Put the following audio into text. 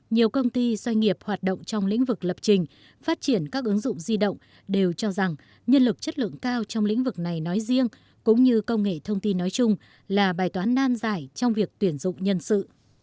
nhiều công ty doanh nghiệp hoạt động trong lĩnh vực lập trình phát triển các ứng dụng di động đều cho rằng nhân lực chất lượng cao trong lĩnh vực này nói riêng cũng như công nghệ thông tin nói chung là bài toán nan giải trong việc tuyển dụng nhân sự